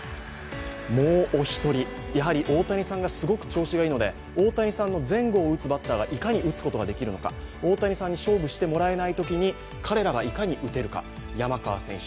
もうお一人、やはり大谷さんがすごく調子がいいので、大谷さんの前後を打つバッターがいかに打つことができるのか大谷さんに勝負してもらえないときに彼らがいかに打てるか、山川選手。